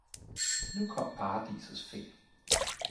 Nu kom Paradisets fe.